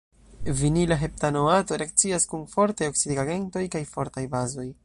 Vinila heptanoato reakcias kun fortaj oksidigagentoj kaj fortaj bazoj.